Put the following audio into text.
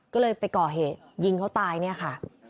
ก็เลยไปก่อเหตุยิงเขาตายเนี่ยค่ะ